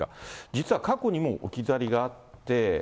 実は過去にも置き去りがあって。